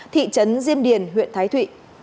thị trấn diêm điền huyện thái thụy